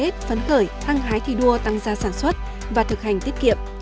thăng hái thi đua tăng gia sản xuất và thực hành tiết kiệm